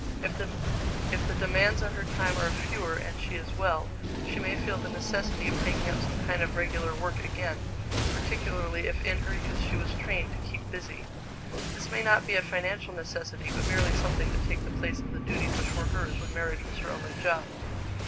If the demands on her time are fewer and she is well, she may feel the necessity of taking up some kind of regular work again, particularly if in her youth she was trained to keep busy. This may not be a financial necessity, but merely something to take the place of the duties which were hers when marriage was her only job.